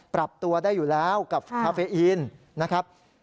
ปรับตัวได้อยู่แล้วกับคาเฟอีนนะครับ